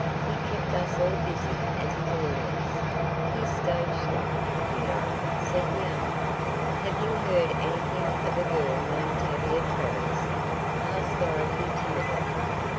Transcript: He kept us all busy as his audience. He's stage struck, you know," said the other. "Have you heard anything of a girl named Tavia Travers?" asked Dorothy timidly.